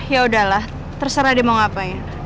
yaudahlah terserah dia mau ngapain